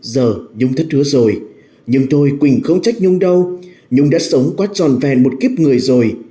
giờ nhung thất hứa rồi nhung thôi quỳnh không trách nhung đâu nhung đã sống quá tròn vèn một kiếp người rồi